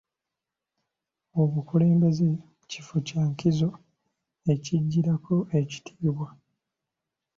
Obukulembeze kifo kya nkizo ekijjirako ekitiibwa.